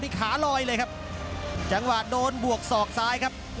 นี่ขาลอยเลยครับจังหวะโดนบวกศอกซ้ายครับ